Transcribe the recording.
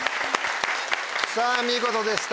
さぁ見事でした